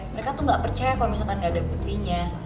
mereka tuh gak percaya kalo misalkan gak ada buktinya